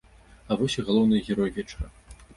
А вось і галоўныя героі вечара.